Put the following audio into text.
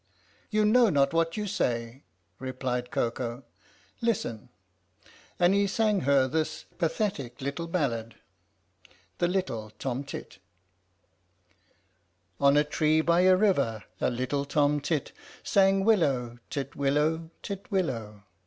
" "You know not what you say," replied Koko. "Listen!" And he sang her this pathetic little ballad : THE LITTLE TOM TIT On a tree by a river a little torn tit Sang "Willow, titwillow, titwillow!